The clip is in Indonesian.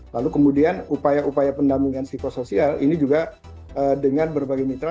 lalu kemudian upaya upaya pendampingan psikosoial ini juga dengan berbagai mitra